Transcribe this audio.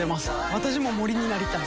私も森になりたい。